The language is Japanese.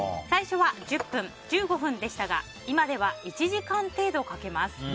最初は１０分、１５分でしたが今では１時間程度かけます。